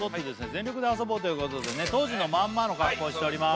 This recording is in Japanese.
全力で遊ぼうということで当時のまんまの格好をしております